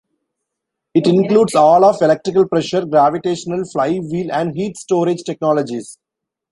It includes all of electrical, pressure, gravitational, flywheel, and heat storage technologies.